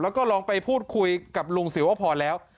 แล้วก็ลองไปพูดคุยกับลุงศิวพรแล้ว